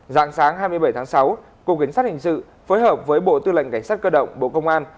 dạng sáng hai mươi bảy tháng sáu cục cảnh sát hình sự phối hợp với bộ tư lệnh cảnh sát cơ động bộ công an